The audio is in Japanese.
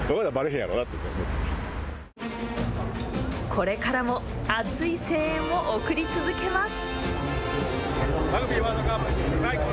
これからも熱い声援を送り続けます。